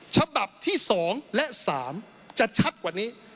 ฉบับที่๒และ๓จะชัดกว่านี้